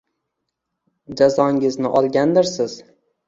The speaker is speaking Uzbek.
-Jazongizni olgandirsiz?